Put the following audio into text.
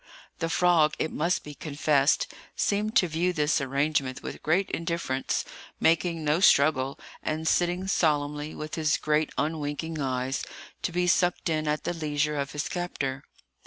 The frog, it must be confessed, seemed to view this arrangement with great indifference, making no struggle, and sitting solemnly, with his great unwinking eyes, to be sucked in at the leisure of his captor.